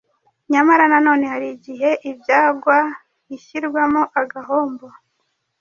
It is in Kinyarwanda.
nyamara nanone hari igihe imbagwa ishyirwamo agahombo